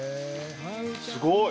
すごい！